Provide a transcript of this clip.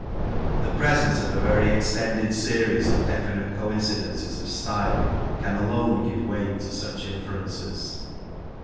The presence of a very extended series of definite coincidences of style can alone give weight to such inferences.